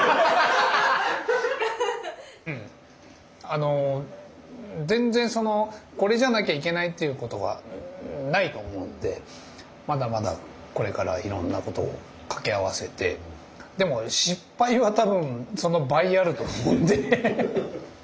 あの全然これじゃなきゃいけないっていうことはないと思うんでまだまだこれからいろんなことをかけ合わせてでも失敗は多分その倍あると思うんで。